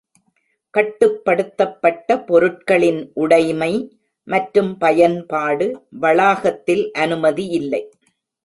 கட்டுப்படுத்தப்பட்ட பொருட்களின் உடைமை மற்றும் பயன்பாடு வளாகத்தில் அனுமதி இல்லை.